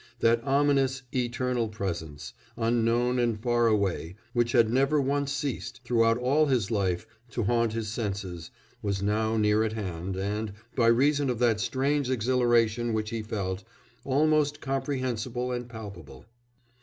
That ominous Eternal Presence, unknown and far away, which had never once ceased, throughout all his life, to haunt his senses, was now near at hand and, by reason of that strange exhilaration which he felt, almost comprehensible and palpable."